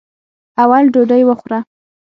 اول ډوډۍ وخوره.